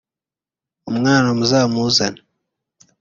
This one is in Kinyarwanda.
umwana muzamuzane